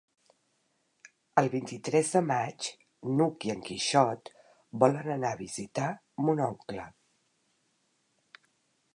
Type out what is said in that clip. El vint-i-tres de maig n'Hug i en Quixot volen anar a visitar mon oncle.